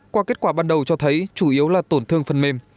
qua kết quả ban đầu cho thấy chủ yếu là tổn thương phần mềm